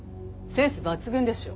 センス抜群でしょ？